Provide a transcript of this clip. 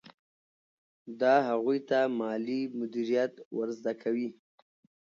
دا هغوی ته مالي مدیریت ور زده کوي.